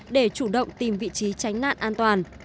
để chủ động tìm vị trí tránh nạn an toàn